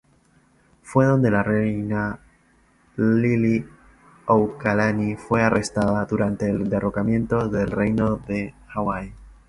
Fue donde la reina Liliʻuokalani fue arrestada durante el derrocamiento del Reino de Hawái.